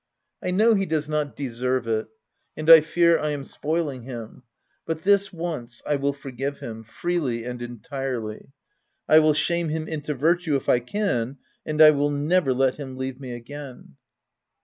I know he does not deserve it ; and I fear I am spoiling him ; but this once, I will forgive him, freely and entirely — I will shame him into virtue if I can, and I will never let him leave me again.